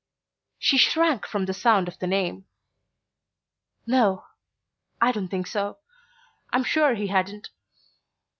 She shrank from the sound of the name. "No...I don't think so...I'm sure he hadn't..."